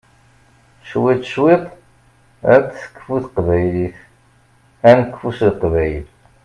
Cwiṭ cwiṭ, ad tekfu teqbaylit, ad nekfu s leqbayel.